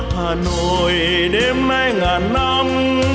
hà nội đêm nay ngàn năm